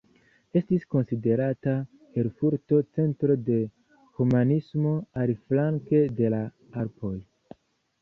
Estis konsiderata Erfurto centro de humanismo aliflanke de la Alpoj.